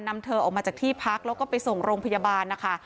เธอออกมาจากที่พักแล้วก็ไปส่งโรงพยาบาลนะคะ